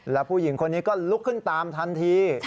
แล้วผู้หญิงคนนี้ก็ลุกขึ้นตามทันที